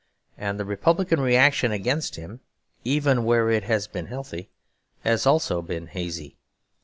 And the Republican reaction against him, even where it has been healthy, has also been hazy.